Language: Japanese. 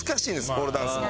ポールダンスも。